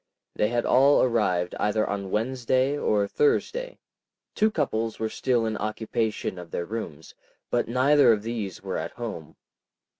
They had all arrived either on Wednesday or Thursday. Two couples were still in occupation of their rooms, but neither of these were at home.